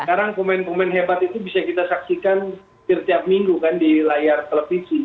sekarang komen komen hebat itu bisa kita saksikan setiap minggu kan di layar televisi